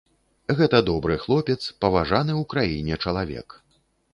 Гэта добры хлопец, паважаны ў краіне чалавек.